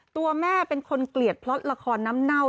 ตัวแม่เป็นคนเกลียดพล็อตละครน้ำเน่า